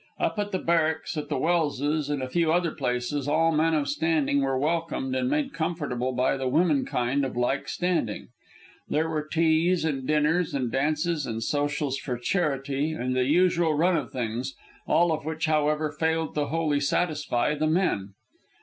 Up at the Barracks, at the Welse's, and a few other places, all men of standing were welcomed and made comfortable by the womenkind of like standing. There were teas, and dinners, and dances, and socials for charity, and the usual run of things; all of which, however, failed to wholly satisfy the men.